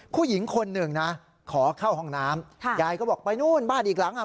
ผู้หญิงคนหนึ่งนะขอเข้าห้องน้ำค่ะยายก็บอกไปนู่นบ้านอีกหลังอ่ะ